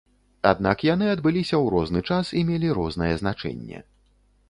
Аднак яны адбыліся ў розны час і мелі рознае значэнне.